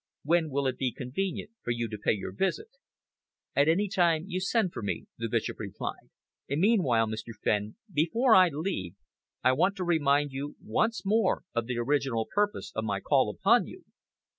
When will it be convenient for you to pay your visit?" "At any time you send for me," the Bishop replied. "Meanwhile, Mr. Fenn, before I leave I want to remind you once more of the original purpose of my call upon you."